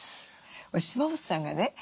島本さんがね